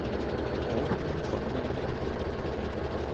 我好興奮呀